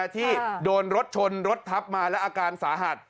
ที่โดนรถชนรถทับมาและอาการสาหัส